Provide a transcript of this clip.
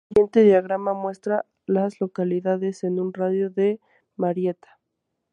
El siguiente diagrama muestra a las localidades en un radio de de Marietta.